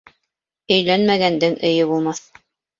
Өйләнмәгәндең өйө булмаҫ